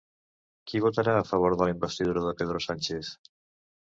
Qui votarà a favor de la investidura de Pedro Sánchez?